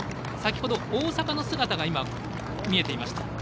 先ほど、大阪の姿が見えていました。